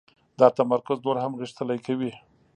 دا تمرکز نور هم غښتلی کوي.